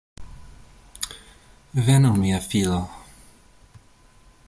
Venu mia filo!